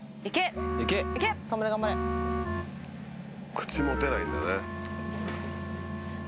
口持てないんだね。